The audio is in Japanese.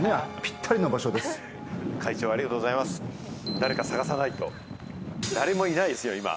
誰か探さないと、誰もいないですよ！